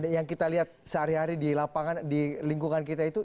dan yang kita lihat sehari hari di lapangan di lingkungan kita itu